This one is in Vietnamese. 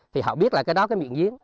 thì họ biết là cái đó là miệng giếng